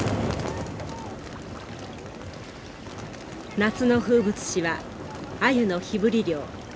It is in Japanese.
夏の風物詩はアユの火ぶり漁。